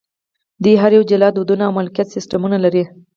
دوی هر یو جلا دودونه او مالکیت سیستمونه لري.